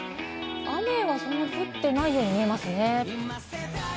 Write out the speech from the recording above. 雨は、そんなに降っていないように見えますね。